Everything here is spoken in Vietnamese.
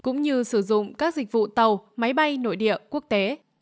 cũng như sử dụng các dịch vụ tàu máy bay nội địa quốc tế